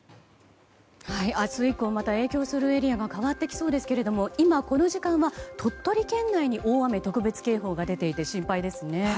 明日以降また影響するエリアが変わってきそうですが今この時間は鳥取県内に大雨特別警報が出ていて心配ですね。